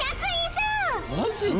「マジで！？」